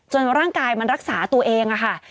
ร่างกายมันรักษาตัวเองค่ะ